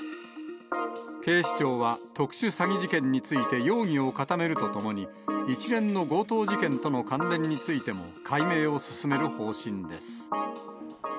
警視庁は特殊詐欺事件について容疑を固めるとともに、一連の強盗事件との関連についても解明を進める方針です。